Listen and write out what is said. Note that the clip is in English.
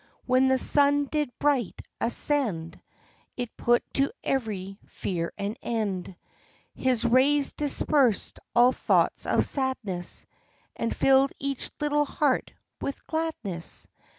When the sun did bright ascend, It put to every fear an end. His rays dispersed all thoughts of sadness, And filled each little heart with gladness.